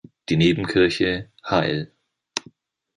Die Nebenkirche "Hl.